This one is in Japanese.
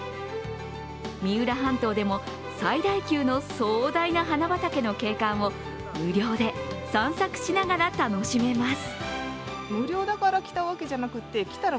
三浦半島でも最大級の壮大な花畑の景観を無料で散策しながら楽しめます。